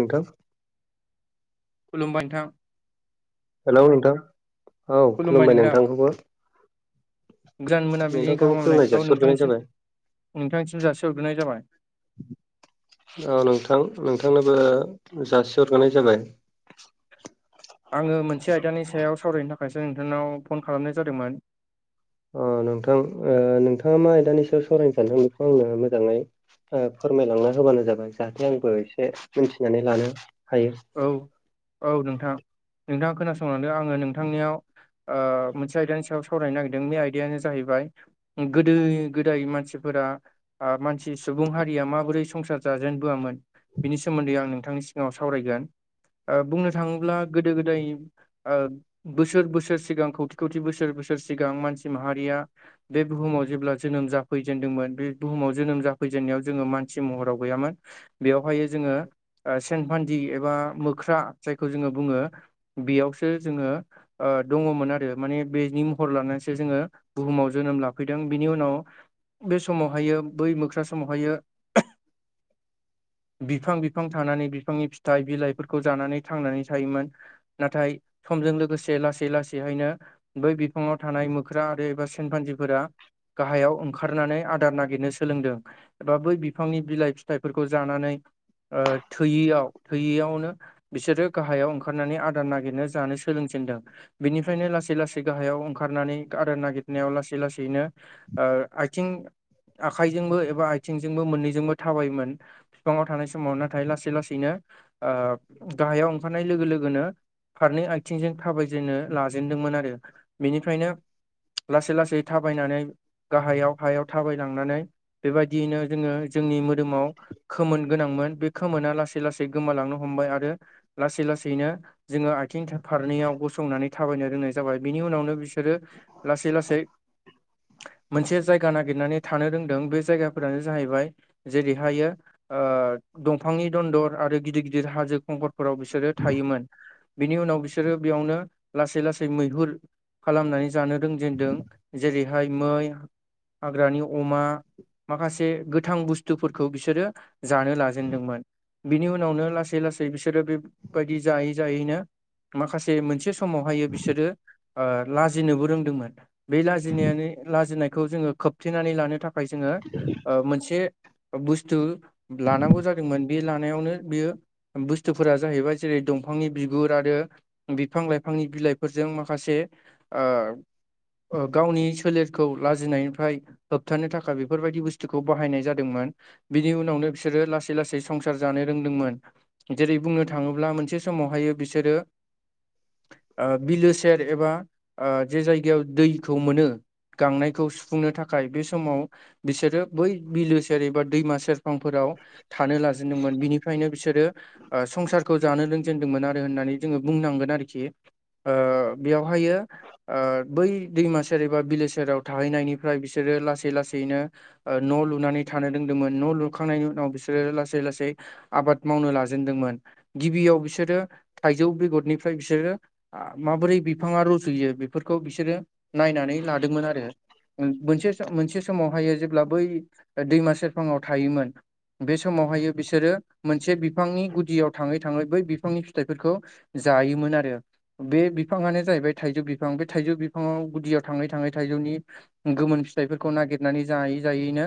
नोंथां। खुलुमबाय नोंथां। हेलौ नोंथां औ खुलुमबाय नोंथांखौबो। गोजोन मोनाबिलिनि नोंथांखौबो गाहाम खुलुमनाय हामलायखौ जासिहरग्रोनाय नोंथांसिम जाबाय नोंथांसिम जासिहरग्रोनाय जाबाय। औ नोंथां नोंथांनोबो जासिहरगोनाय जाबाय। आङो मोनसे आयदानि सायाव सावरायनो थाखायसो नोंथांनाव फन खालामनाय जादोंमोन। अ नोंथां ओ नोंथाङा मा आयदानि सायाव सावरायनो सानदों, बेखौ आंनो मोजाङै ओ फोरमायलांना होबानो जाबाय जाहाथे आंबो एसे मिथिनानै लानो हायो। औ औ नोंथां। नोंथाङा खोनासंलांदो आङो नोंथांनियाव ओ मोनसे आयदानि सायाव सावरायनो नागिरदों बे आयदायानो जाहैबाय गोदो गोदाय मानसिफोरा ओ मानसि सुबुं हारिया माबोरै संसार जाजेनबोआमोन बिनि सोमोन्दै आं नोंथांनि सिगाङाव सावरायगोन। ओ बुंनो थाङोब्ला गोदो गोदाय ओ बोसोर बोसोर सिगां खौथि खौथि बोसोर बोसोर सिगां मानसि माहारिया बे बुहुमाव जेब्ला जोनोम जाफैजेनदोंमोन बे बुहुमाव जोनोम जाफैजेननायाव जोङो मानसि महराव गैयामोन। बेवहायो जोङो ओ सेनफान्जि एबा मोख्रा जायखौ जोङो बुङो। बेयावसो जोङो ओ दङमोन आरो माने बेनि हर लानानैसो जोङो बुहुमाव जोनोम ला फैदों बिनि उनाव बे समावहायो बै मोख्रा समावहायो बिफां बिफां थानानै बिफांनि फि फिथाइ, बिलाइफोरखौ जानानै थांनानै थायोमोन। नाथाय समजों लोगोसे लासै लासैहायनो बै बिफाङाव थानाय मोख्रा आरो एबा सेमफान्जिफोरा गाहाइयाव ओंखारनानै आदार नागिरनो सोलोंदों। एबा बै बिफांनि बिलाइ फिथाइफोरखौ जानानै ओ थोयियाव थैयियावनो बिसोरो गाहायाव ओंखारनानै आदार नागिरनो जानो सोलोंजेनदों। बिनिफ्रायनो लासै लासै गाहायाव ओंखारनानै आरो नागिरनायाव लासै लासैनो ओ आइथिं आखाइजोंबो एबा आइथिंजोंबो मोननैजोंबो थाबायोमोन। बिफाङाव थानाय समाव नाथाय लासै लासैनो ओ गाहायाव ओंखारनाय लोगो लोगोनो फारनै आथिंजों थाबायजेननो लाजेनदोंमोन आरो। बेनिफ्रायनो लासै लासै थाबायनानै गाहायाव हायाव थाबाय लांनानै बेबायदियैनो जोङो जोंनि मोदोमाव खोमोन गोनांमोन। बे खोमोना लासै लासै गोमालांनो हमबाय आरो लासै लासैनो जोङो आथिं फारनैयाव गसंनानै थाबायनो रोंनाय जाबाय। बिनि उनावनो बिसोरो लासै लासै मोनसे जायगा नागिरनानै थानो रोंदों बे जायगाफोरानो जाहैबाय जेरैहायो ओ दंफांनि दन्दर आरो गिदिर गिदिर हाजो खंखरफोराव बिसोरो थायोमोन। बेनि उनाव बिसो सोरो बेयावनो लासै लासै मैहुर खालामनानै जानो रोंजेनदों, जेरैहाय मै हाग्रानि अमा माखासे गोथां बुस्थुफोरखौ बिसोरो जानो लाजेनदोंमोन। बिनि उनावनो लासै लासै बिसोरो बेबायदि जायै जायैनो माखासे मोनसे समावहायो बिसोरो लाजिनोबो रोंदोंमोन। बे लाजिनायानो लाजिनायखौ जोङो खोब- होबथेनानै लानो थाखाय जोङो ओ मोनसे बुस्थु लानांगौ जादोंमोन बे लानायावनो बेयो बुस्थुफोरा जाहैबाय जेरै- दंफांनि बिगुर आरो बिफां-लाइफांनि बिलाइफोरजों माखासे ओ गावनि सोलेरखौ लाजिनायनिफ्राय होबथानो थाखाय बेफोरबायदि बुस्थुखौ बाहायनाय जादोंमोन बिनि उनावनो बिसोरो लासै लासै संसार जानो रोंदोंमोन जेरै बुंनो थाङोब्ला मोनसे समावहायो बिसोरो ओ बिलो सेर एबा ओ जे जायगायाव दैखौ मोनो गांनायखौ सुफुंनो थाखाय बे समाव बिसोरो बै बिलो सेर एबा दैमा सेरफांफोराव थानो लाजेनदोंमोन बिनिफ्रायनो बिसोरो संसारखौ जानो रोंजेनदोंमोन आरो होननानै जोङो बुंनांगोन आरोखि ओ बेयावहायो। ओ बै दैमा सेर एबा बिलो सेराव थाहैनायनिफ्राय बिसोरो लासै लासैनो ओ न' लुनानै थानो रोंदोंमोन न' लुखांनायनि उनाव बिसोरो लासै लासै लासै आबाद मावनो लाजेनदोंमोन गिबियाव बिसोरो थाइजौ बेगरनिफ्राय बिसोरो माबोरै बिफाङा रज'यो बेफोरखौ बिसोरो नायनानै लादोंमोन आरो मोनसे मोनसे समावहायो जेब्ला बै दैमा सेरफाङाव थायोमोन बे समावहायो बिसोरो मोनसे बिफांनि गुदियाव थाङै- थाङै बै बिफांनि फिथाइफोरखौ जायोमोन आरो बे बिफाङानो जाहैबाय थाइजौ बिफां। बे थाइजौ बिफाङाव गुदियाव थाङै थाङै थाइजौनि गोमोन फिथाइफोरखौ नागिरनानै जायै जायैनो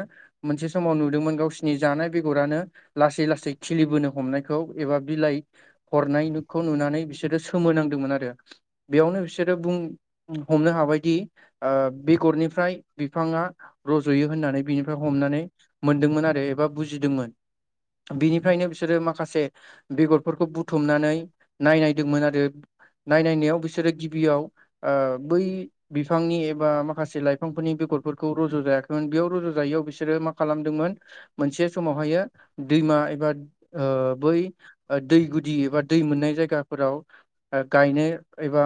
मोनसे समाव नुदोंमोन गावसिनि जानाय बेगरानो लासै लासै खिलिबोनो हमनायखौ एबा बिलाइ हरनायखौ नुनानै बिसोरो खोमोनांदोंमोन आरो बेयावनो बिसोरो बुं हमनो हाबायदि बेगरनिफ्राय बिफाङा रज'यो होननानै बिनिफ्राय हमनानै मोनदोंमोन आरो एबा बुजिदोंमोन बिनिफ्रायनो बिसोरो माखासे बेगरफोरखौ बुथुमनानै नायनायदोंमोन आरो नायनायनायाव बिसोरो गिबियाव ओ बै बिफांनि एबा माखासे लाइफांफोरनि बेगरफोरखौ रज' जायाखैमोन बेयाव रज' जायैयाव बिसोरो मा खालामदोंमोन मोनसे समावहायो दैमा एबा ओ बै दै गुदि एबा दै मोननाय जायगाफोराव गायनो एबा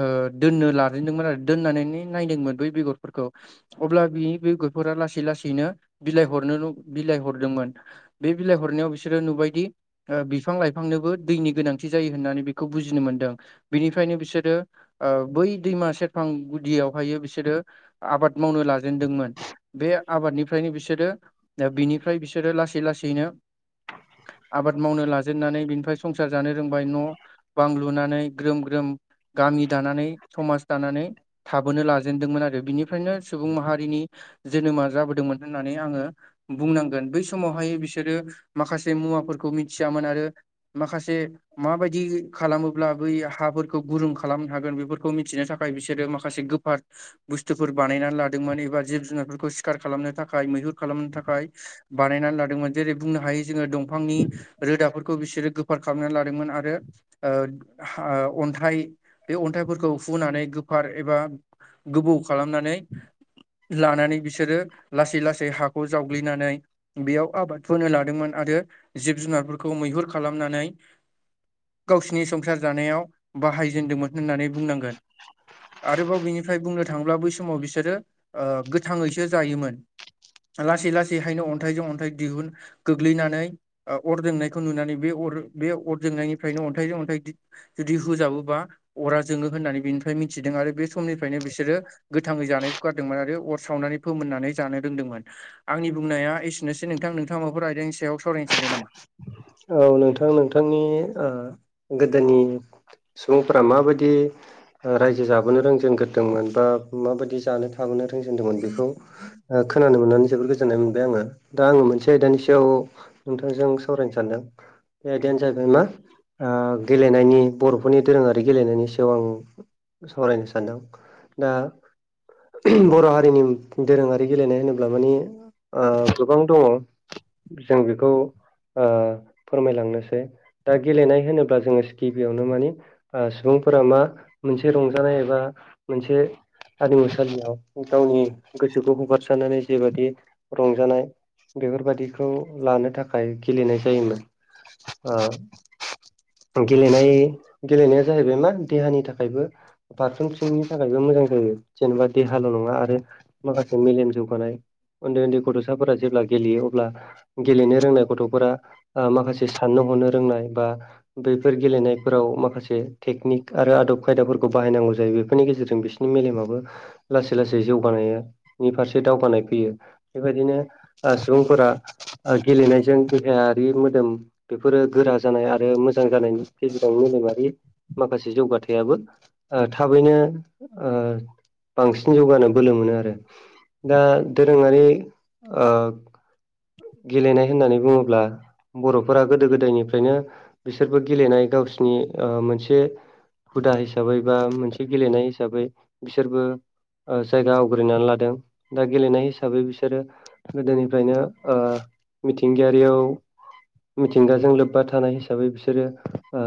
ओ दोननो लाजेनदोंमोन आरो दोननानै नायदोंमोन बै बेगरफोरखौ अब्ला बिनि बेगर फोरा लासै लासैनो बिलाइ हरनो बिलाइ हरदोंमोन बे बिलाइ हरनायाव बिसोरो नुबायदि बिफां लाइफांनोबो दैनि गोनांथि जायो होननानै बेखौ बुजिनो मोनदों बेनिफ्रायनो बिसोरो ओ बै दैमा सेरफां गुदियावहाय बिसोरो आबाद मावनो लाजेनदोंमोन। बे आबादनिफ्रायनो बिसोरो बिनिफ्राय बिसोरो लासै लासैनो आबाद मावनो लाजेननानै बिनिफ्राय संसार जानो रोंबाय न' बां लुनानै ग्रोम ग्रोम गामि दानानै समाज दानानै थाबोनो लाजेनदोंमोन आरो बिनिफ्रायनो सुबुं माहारिनि जोनोमा जाबोदोंमोन होननानै आङो। बुंनांगोन बै समावहाय बिसोरो माखासे मुवाफोरखौ मिथियामोन आरो माखासे। से माबायदि। खालामोब्ला बै हाफोरखौ गुरुं खालामनो हागोन बेफोरखौ मिथिनो थाखाय बिसोरो माखासे गोफार बुस्थुफोर बानायनानै लादोंमोन एबा जिब जुनारफोरखौ सिखार खालामनो थाखाय मैहुर खालामनो थाखाय बानायनानै लादोंमोन जेरै बुंनो हायो जोङो दंफांनि रोदाफोरखौ बिसोरो गोफार खालामनानै लादोंमोन आरो ओ अन्थाइ। बे अन्थाइफोरखौ फुनानै गोफार एबा गोबौ खालामनानै लानानै बिसोरो लासै लासै हाखौ जावग्लिनानै। बेयाव आबाद फोनो लादोंमोन आरो जिब जुनारफोरखौ मैहुर खालामनानै। गावसोरनि संसार जानायाव बाहायजेनदोंमोन होननानै बुंनांगोन। आरोबाव बिनिफ्राय बुंनो थाङोला बै समाव बिसोरो ओ गोथाङैसो जायोमोन। लासै लासैहायनो अन्थाइजों अन्थाइ दिहुन गोग्लैनानै। अर जोंनायखौ नुनानै बे अ बे अर जोंनायनिफ्रायनो अन्थाइजों अन्थाइ। जुदि होुजाबोबा अरा जोङो होननानै बिनिफ्राय मिथिदों आरो बे समनिफ्रायनो बिसोरो। गोथाङै जानाय गारदोंमोन आरो अर सावनानै फोमोननानै जानो रोंदोंमोन आंनि बुंनाया एसे एसेनोसै नोंथां। नोंथांआ माबाफोर आयदानि सायाव सावरायनो सानदों नामा? औ नोंथां नोंथांनि ओ गोदोनि- सुबुंफोरा माबायदि रायजो जाबोनो रोंजेनग्रोदोंमोन बा माबायदि जानो थाबोनो। बे खोनानो मोननानै जोबोर गो गोजोननाय मोनबाय आङो दा आङो मोनसे आयदानि सायाव नोंथांजों सावरायनो सानदों। बे आयदायानो जाहैबाय मा ओ गेलेनायनि बर'फोरनि दोरोङारि गेलेनायनि सायाव आं सावरायनो सानदों दा। बर' हारिनि दोरोङारि गेलेनाय होनोब्ला माने। गोबां दङ जों बेखौ फोरमायलांनोसै दा गेलेनाय होनोब्ला जोङो गिबियावनो माने सुबुंफोरा मा मोनसे रंजानाय एबा मोनसे हारिमुसालियाव गावनि गोसोखौ हगारसारनानै जेबायदि रंजानाय। बेफोरबादिखौ लानो थाखाय गेलेनाय जायोमोन। गेलेनाय गेलेनाया जाहैबाय मा देहानि थाखायबो। फारफ्रामथिंनि थाखायबो मोजां जायो जेनेबा देहाल' नङा आरो माखासे मेलेम जौगानाय। उन्दै उन्दै गथ'साफोरा जेब्ला गेलेयो अब्ला गेलेनो रोंनाय गथ' माखासे साननो हनो रोंनाय बा बेैफोर गेलेनायफोराव माखासे टेकनिक आरो आदब खायदाफोरखौ बाहायनांगौ जायो बेफोरनि गेजेरजों बिसोर मेलेमाबो लासै लासै जौगानायनि फारसे दावगानाय फैयो। बेबायदिनो सुबुंफोरा गेलेनायजों। देहायारि मोदोम बेफोरो गोरा जानाय आरो मोजां जानायनि गेजेराव मोदोमारि। माखासे जौगाथायाबो थाबैनो बांसिन जौगानो बोलो मोनो आरो दा दोरोङारि गेलेनाय होननानै बुङोब्ला। अब्ला बर'फोरा गोदो गोदायनिफ्रायनो बिसोरबो गेलेनाय गावसिनि ओ मोनसे हुदा हिसाबै बा मोनसे गेलेनाय हिसाबै बिसोरबो। जायगा आवग्रिनानै लादों दा गेलेनाय हिसाबै बिसोरो। गोदोनिफ्रायनो मिथिंगायारि मिथिंगाजों लोब्बा थानाय हिसाबै बिसोरो ओ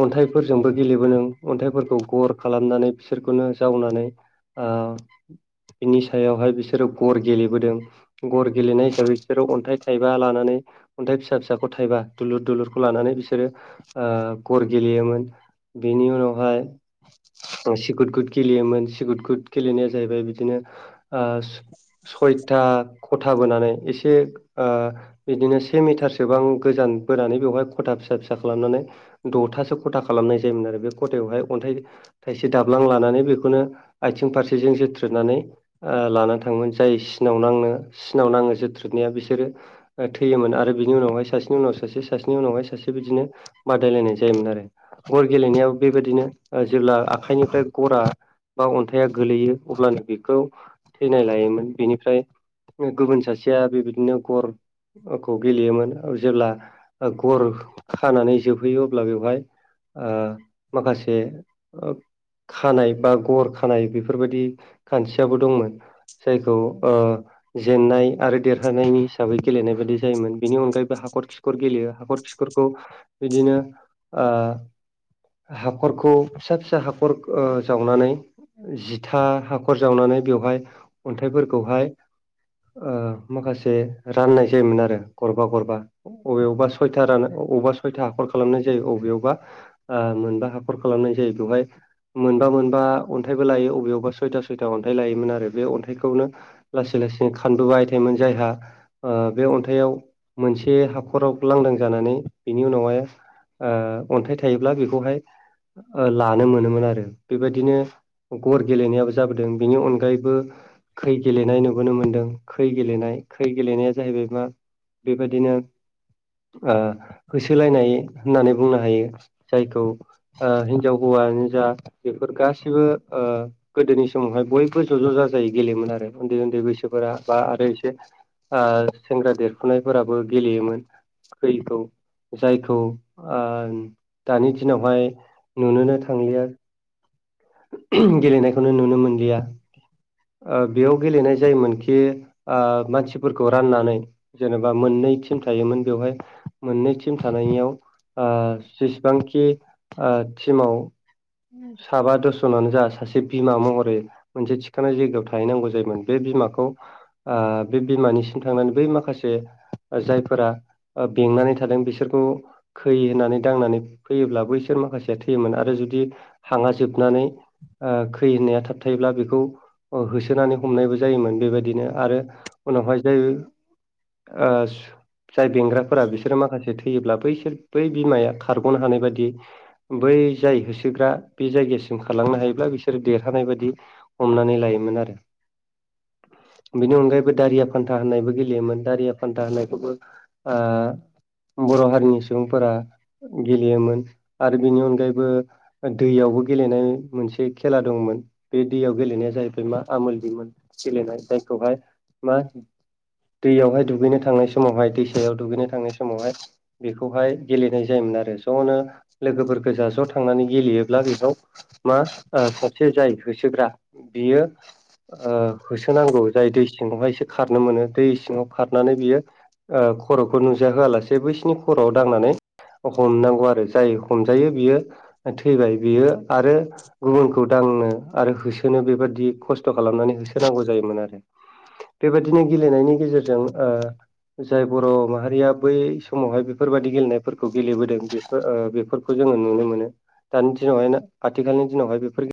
अन्थाइफोरजोंबो गेलेबो नों अन्थाइफोरखौ गर खालामनानै बिसोरखौनो जावनानै औ बिनि सायावहाय बिसोरो गर गेलेबोदों गर गेलेनाय हिसाबै बिसोरो अन्थाइ थाइबा लानानै अन्थाइ फिसा-फिसाखौ थाइबा दुलुर दुलुरखौ लानानै बिसोरो ओ गर गेलेयोमोन बेनि उनावहाय सिकुद गुद गेलेयोमोन सिकुद गुद गेलेनाया जाहैबाय बिदिनो ओ स सयथा खथाबोनानै एसे ओ बिदिनो से मिटारसोबां गोजान बोनानै बेवहाय खथा फिसा फिसा खालामनानै दथासो खथा खालामनाय जायोमोन आरो बे खथायावहाय अन्थाइ थाइसे दाबलां लानानै बेखौनो आथिं फारसेजों जोथ्रोदनानै ओ लानानै थाङोमोन जाय सिनाव नांनो सिनाव नाङो जोथ्रोदनाया बे सोरो ओ थैयोमोन आरो बिनि उनावहाय सासेनि उनाव सासे सासेनि उनावहाय सासे बिदिनो बादायलायनाय जायोमोन आरो गर गेलेनायाबो बेबायदिनो जेब्ला आखाइनिफ्राय गरा बा अन्थाइया गोलैयो अब्लानो बेखौ थैनाय लायोमोन बेनिफ्राय गुबुन सासेया बेबायदिनो गरखौ गेलेयोमोन जेब्ला गर खानानै जोबहैयो अब्ला बेवहाय ओ माखासे खानाय बा गर खानाय बेफोरबायदि खान्थियाबो दंमोन। जायखौ ओ जेननाय आरो देरहानायनि हिसाबै गेलेनाय बायदि जायोन बेनि अनगायैबो हाखर खर गेलेयो हाखर खिखरखौ बिदिनो ओ हाखरखौ फिसा फिसा हाखर ओ जावनानै जिथा हाखर जावनानै बेवहाय अन्थाइफोरखौहाय ओ माखासे राननाय जायोमोन आरो गरबा गरबा। अबेयावबा सयथा रानो अबावबा सयथा हाखर खालामनाय जायो अबेयावबा ओ मोनबा हाखर खालामनाय जायो बेवहाय मोनबा मोनबा अन्थाइबो लायो अबेआवबा सयथा सयथा अन्थाइ लायोमोन आरो बे अन्थाइखौनो लासै लासैनो खानबोबाय थायोमोन जायहा ओ बे अन्थाइाव मोनसे हाखराव लांदां जानानै बेनि उनावहाय ओ अन्थाइ थायोब्ला बेखौहाय ओ लानो मोनोमोन आरो बेबायदिनो गर गेलेनायाबो जाबोदों बेनि अनगायैबो खै गेलेनाय नुबोनो मोन्दों खै गेलेनाय खै गेलेनाया जाहैबाय मा बेबायदिनो ओ होसोलायनाय होननानै बुंनो हायो जायखौ ओ हिनजाव हौवानो जा बेफोर गासिबो ओ गोदोनि समावहाय बयबो ज' ज' ज जायै गेलेययोमोन आरो उन्दै उन्दै बैसोफोरा बा आरो एसे ओ सेंग्रा देरफुनायफोराबो गेलेयोमोन खैखौ। जायखौ ओ दानि दिनावहाय नुनोनो थांलिया। गेलेनायखौनो नुनो मोनलिया। ओ बेयाव गेलेनाय जायोमोनखि ओ मानसिफोरखौ राननानै। जेनेबा मोननै टिम थायोमोन बेवहाय मोननै टिम थानायाव ओ जेसेबांखि ओ टिमाव साबा दस जनानो सासे बिमा महरै मोनसे थिखानाय जायगायाव थाहैनांगौ जायोमोन बे बिमाखौ ओ बे बिमानिसिम थांनानै बै माखासे जायफोरा ओ बेंनानै थादों बिसोरखौ खै होननानै दांनानै फैयोब्लाबो बिसोर माखासेया थैयोमोन आरो जुदि हाङा जोबनानै ओ खै होननाया थाब थायोब्ला बेखौ होसोनानै हमनायबो जायोमोन बेबायदिनो आरो उनावहाय जाय ओ जाय बेंग्राफोरा बिसोरो माखासे थै योब्ला बैसोर बै बिमाया खारग'नो हानाय बायदि बै जाय होसोग्रा बे जायगासिम खारलांनो हायोब्ला बिसोर देरहानाय बायदि हमनानै लायोमोन आरो। बेनि अनगायैबो दारिया फान्था होननायबो गेलेयोमोन दारिया फान्था होननायखौबो ओ बर' हारिनि सुबुंफोरा गेलेयोमोन आरो बेनि अनगायैबो दैयावबो गेलेनाय मोनसे खेला दंमोन बे दैयाव गेलेनाया जाहैबाय मा आमोल दैमोन गेलेनाय जायखौहाय मा दैयावहाय दुगैनो थांनाय समावहाय दैसायाव दुगैनो थांनाय समावहाय बेखौहाय गेलेनाय जायोमोन आरो ज'नो। लोगोफोर गोजा ज' थांनानै गेलेयोब्ला बेखौ मा ओ फख्रि जाय होसोग्रा बियो ओ होसोनांगौ जाय दै सिङावहायसो खारनो मोनो दै सिङाव खारनानै बियो खर'खौ नुजाहोआलासे बैसिनि खर'आव दांनानै हमनांगौ आरो जाय हमजायो बियो थैबाय बियो आरो गुबुनखौ दांनो आरो होसोनो बेबदि खस्थ' खालामनानै होसोनांगौ जायोमोन आरो। बेबायदिनो गेलेनायनि गेजेरजों ओ जाय बर' माहारिया बै समावहाय बेफोरबादि गेलेनायफोरखौ गेलेबोदों बेस ओ बेफोर जोङो नुनो मोनो दानि दिनावहाय आथिखालनि दिनावहाय बेफोर